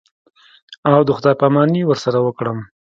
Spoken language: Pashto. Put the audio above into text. او د خداى پاماني ورسره وکړم.